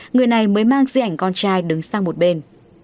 người này mới mang di ảnh con trai đứng sang một bên